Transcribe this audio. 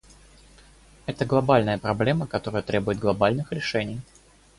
Это глобальная проблема, которая требует глобальных решений.